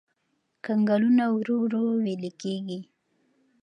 کنګلونه ورو ورو ويلي کېږي.